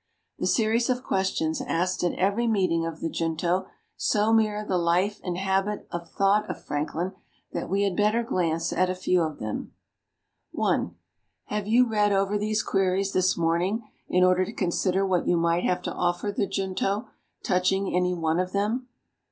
The series of questions asked at every meeting of the Junto, so mirror the life and habit of thought of Franklin that we had better glance at a few of them: 1. Have you read over these queries this morning, in order to consider what you might have to offer the Junto, touching any one of them?